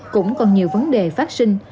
cũng còn nhiều vấn đề phát sinh